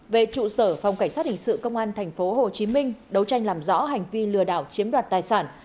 về trụ sở phòng cảnh sát hình sự công an tp hcm đấu tranh làm rõ hành vi lừa đảo chiếm đoạt tài sản